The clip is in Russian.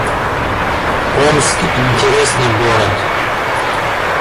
Омск — интересный город